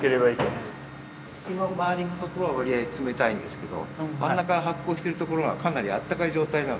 縁の周りのとこは割合冷たいんですけど真ん中の発酵してるところはかなりあったかい状態なの。